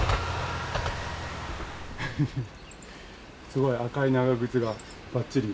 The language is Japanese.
すごい赤い長靴がばっちり。